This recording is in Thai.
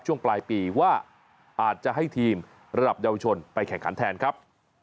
ช่วงปลายปีว่าอาจจะให้ทีมระดับเยาวชนไปแข่งขันแทนครับ